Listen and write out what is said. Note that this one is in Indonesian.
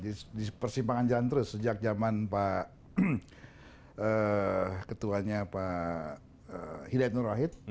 jadi di persimpangan jalan terus sejak zaman pak ketuanya pak hidayat nur wahid